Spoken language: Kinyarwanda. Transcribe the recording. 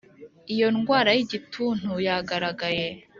Iyo indwara y igituntu yagaragaye